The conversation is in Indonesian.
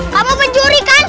kamu penjuri kan